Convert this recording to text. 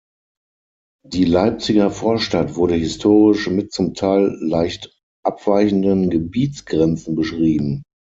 Die Leipziger Vorstadt wurde historisch mit zum Teil leicht abweichenden Gebietsgrenzen beschrieben.